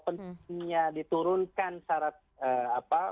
pentingnya diturunkan syarat untuk kuota